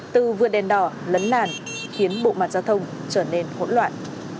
từ vượt đèn đỏ lấn làn khiến bộ mặt giao thông trở nên hỗn loạn